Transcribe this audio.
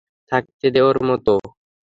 থাকতে দে ওর মতো।